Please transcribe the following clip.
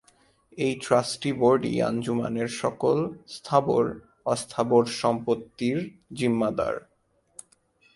এই ট্রাস্টি বোর্ডই আঞ্জুমানের সকল স্থাবর, অবস্থাবর-সম্পত্তির জিম্মাদার।